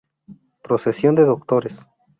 Procesión de doctores.